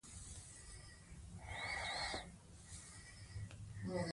دا کتاب باید په دقت سره ولوستل شي.